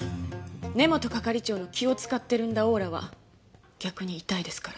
根本係長の「気を使ってるんだオーラ」は逆に痛いですから。